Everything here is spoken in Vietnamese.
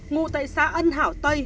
ngụ tại xã ân hảo tây